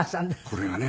これがね。